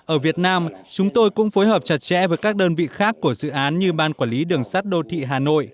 ở việt nam chúng tôi cũng phối hợp chặt chẽ với các đơn vị khác của dự án như ban quản lý đường sắt đô thị hà nội